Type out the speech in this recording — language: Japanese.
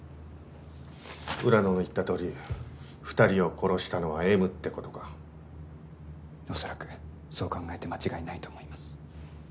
浦野の言ったとおり２人を殺したのはＭってことか恐らくそう考えて間違いないと思います